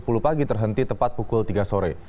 lagi terhenti tepat pukul tiga sore